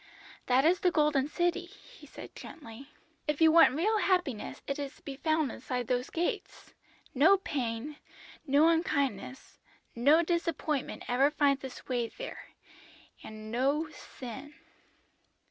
"'That is the Golden City,' he said gently. 'If you want real happiness it is to be found inside those gates; no pain, no unkindness, no disappointment ever finds its way there, and no sin.'